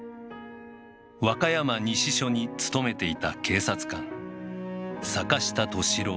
和歌山西署に勤めていた警察官坂下敏郎